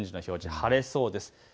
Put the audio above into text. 晴れそうです。